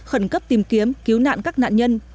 khẩn cấp tìm kiếm cứu nạn các nạn nhân